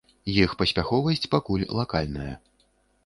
Іх паспяховасць пакуль лакальная.